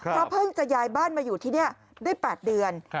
เพราะเพิ่งจะย้ายบ้านมาอยู่ที่นี่ได้๘เดือน